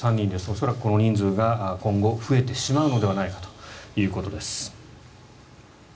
恐らくこの人数が今後増えてしまうのではないかということです。